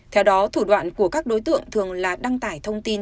theo đó thủ đoạn của các đối tượng thường là đăng tải thông tin